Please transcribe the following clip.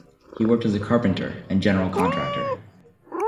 He worked as a carpenter and general contractor.